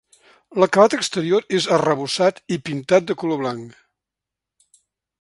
L'acabat exterior és arrebossat i pintat de color blanc.